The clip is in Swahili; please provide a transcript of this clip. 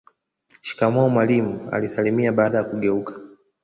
shikamoo mwalimu alisalimia baada ya kugeuka